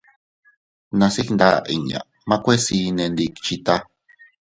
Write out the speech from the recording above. Nase iygnda inña, makue sii nee ndikchita.